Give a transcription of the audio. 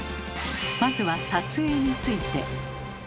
まずは「撮影」について。